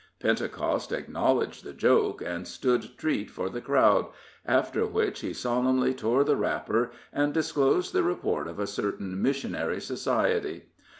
Pentecost acknowledged the joke, and stood treat for the crowd, after which he solemnly tore the wrapper, and disclosed the report of a certain missionary society.